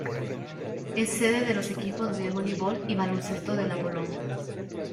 Es sede de los equipos de voleibol y baloncesto del Apollon.